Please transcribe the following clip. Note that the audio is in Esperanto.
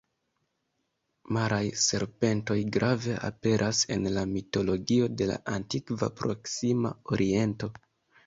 Maraj serpentoj grave aperas en la mitologio de la Antikva Proksima Oriento.